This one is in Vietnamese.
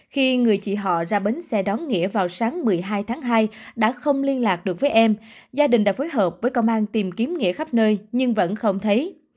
khi người chị họ ra bến xe đón nghĩa vào sáng một mươi hai tháng hai đã không liên lạc được với em gia đình đã phối hợp với công an tìm kiếm nghỉ khắp nơi nhưng vẫn không thấy